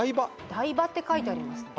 「台場」って書いてありますね。